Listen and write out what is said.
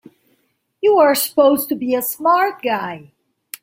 You're supposed to be a smart guy!